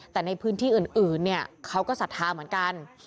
แต่ในพื้นที่อื่นเขาก็ศรัทธาเหมือนกัน